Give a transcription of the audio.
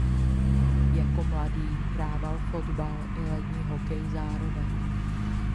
Jako mladý hrával fotbal i lední hokej zároveň.